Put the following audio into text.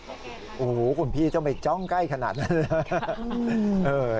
โอ้โหคุณพี่ต้องไปจ้องใกล้ขนาดนั้นเลย